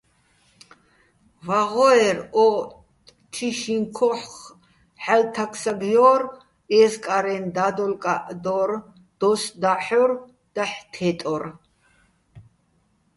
ვაღო́ერ ო თიშიჼ ქოხ ჰ̦ალო̆ თაგ-საგჲო́რ, ე́ზკარენ და́დოლკაჸ დო́რ, დოს და́ჰ̦ორ, დაჰ̦ თე́ტორ.